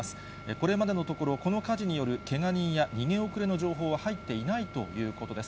これまでのところ、この火事によるけが人や逃げ遅れの情報は入っていないということです。